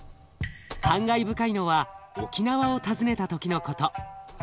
感慨深いのは沖縄を訪ねた時のこと。